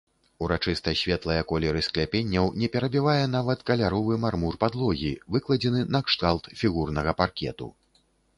Урачыста светлыя колеры скляпенняў не перабівае нават каляровы мармур падлогі, выкладзены накшталт фігурнага паркету.